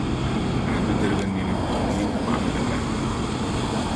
a nudirigu nini; nyin kpɔɣim li bahi.